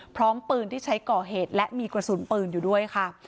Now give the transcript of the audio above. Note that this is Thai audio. พร้อมปืนที่ใช้ก่อเหตุและมีกระสุนปืนอยู่ด้วยค่ะ